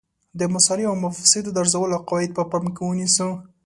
د مصالحو او مفاسدو د ارزولو قواعد په پام کې ونیسو.